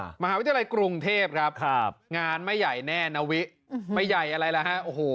อ่ามหาวิทยาลัยกรุงเทพครับงานไม่ใหญ่แน่นวิไม่ใหญ่อะไรละฮะโอ้โห